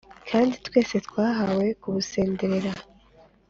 kandi twese twahawe ku busenderera